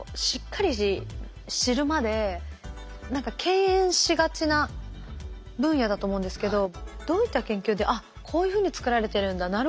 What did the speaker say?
しっかり知るまで何か敬遠しがちな分野だと思うんですけどどういった研究であっこういうふうに作られてるんだ。